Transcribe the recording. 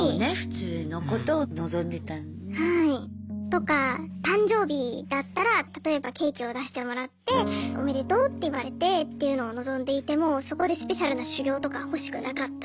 とか誕生日だったら例えばケーキを出してもらっておめでとうって言われてっていうのを望んでいてもそこでスペシャルな修行とか欲しくなかったし。